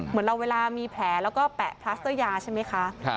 เหมือนเราเวลามีแผลแล้วก็แปะพลัสเตอร์ยาใช่ไหมคะ